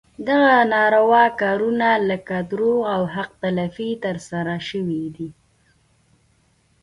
دغه ناروا کارونه لکه دروغ او حق تلفي ترسره شوي دي.